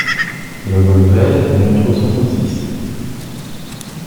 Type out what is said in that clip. Le Volvet au numéro soixante-six